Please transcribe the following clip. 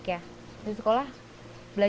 kami bisa beristirahat sejenak